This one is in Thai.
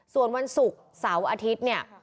ส่วนวันศุกร์เสาร์วันอาทิตย์